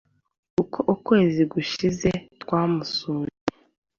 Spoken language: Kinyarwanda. uko ukwezi gushize twamusuye